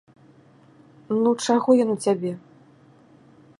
Ну, чаго ён у цябе?